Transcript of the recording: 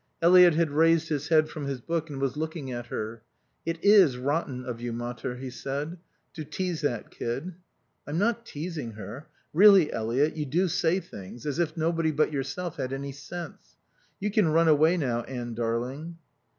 Eliot had raised his head from his book and was looking at her. "It is rotten of you, mater," he said, "to tease that kid." "I'm not teasing her. Really, Eliot, you do say things as if nobody but yourself had any sense. You can run away now, Anne darling."